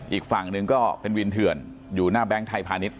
อีกฝั่งหนึ่งก็เป็นวินเถื่อนอยู่หน้าแบงค์ไทยพาณิชย